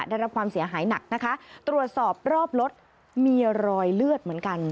ได้รับความเสียหายหนักนะคะตรวจสอบรอบรถมีรอยเลือดเหมือนกัน